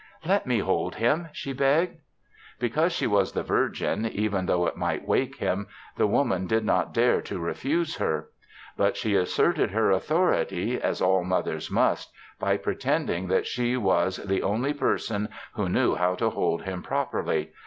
"Let me hold him," she begged. Because she was the Virgin, even though it might wake him, the Woman did not dare to refuse her. But she asserted her authority, as all mothers must, by pretending that she was the only person who knew how to hold him properly.